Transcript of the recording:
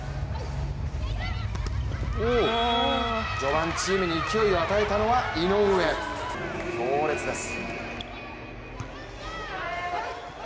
序盤チームに勢いを与えたのは井上、強烈です。